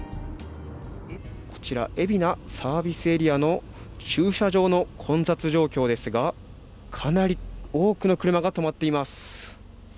こちら海老名サービスエリアの駐車場の混雑状況ですがかなり多くの車が止まっています